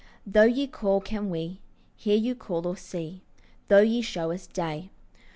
Though ye call, can we Hear you call, or see, Though ye show us day?